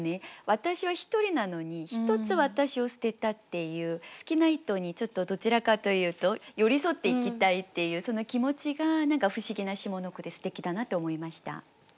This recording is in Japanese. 私は１人なのに「一つ私を捨てた」っていう好きな人にちょっとどちらかというと寄り添っていきたいっていうその気持ちが何か不思議な下の句ですてきだなと思いました。